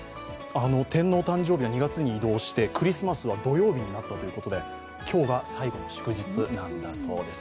天皇誕生日が２月に移動してクリスマスは土曜日になったということで今日が最後の祝日なんだそうです。